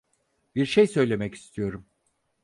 Bir şey söylemek istiyorum.